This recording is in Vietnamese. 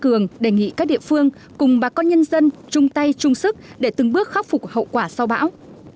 cường đề nghị các địa phương cùng bà con nhân dân chung tay chung sức để từng bước khắc phục hậu quả sau bão